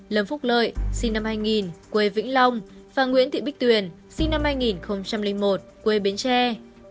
lâm phúc lợi sinh năm hai nghìn quê vĩnh long và nguyễn thị bích tuyền sinh năm hai nghìn một quê bến tre